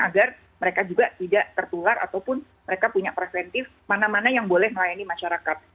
agar mereka juga tidak tertular ataupun mereka punya preventif mana mana yang boleh melayani masyarakat